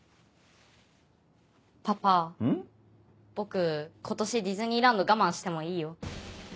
パパ僕今年ディズニーランド我慢してもいいよ。